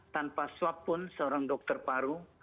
tanpa swab pun seorang dokter paru